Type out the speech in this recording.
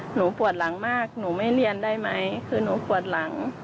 หนูปวดหลังมากหนูไม่เรียนได้ไหมคือหนูปวดหลัง